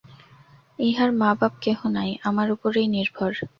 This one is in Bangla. ইহার মা-বাপ কেহ নাই, আমার উপরেই নির্ভর।